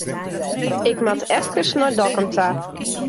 Ik moat efkes nei Dokkum ta.